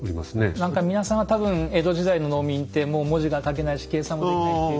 何か皆さんは多分江戸時代の農民ってもう文字が書けないし計算もできないっていう。